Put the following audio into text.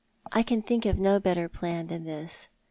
I can think of no bettor plan than this.